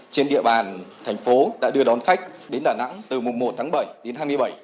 trên địa bàn thành phố đã đưa đón khách đến đà nẵng từ mùa một tháng bảy đến hai mươi bảy